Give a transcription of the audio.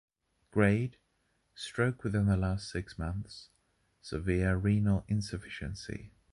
Grade, stroke within the last six months, severe renal insufficiency.